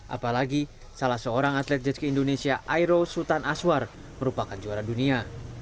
apalagi salah seorang atlet jetski indonesia aero sultan aswar merupakan juara dunia